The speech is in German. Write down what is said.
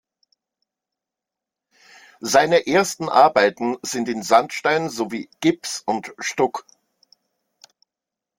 Seine ersten Arbeiten sind in Sandstein sowie Gips und Stuck.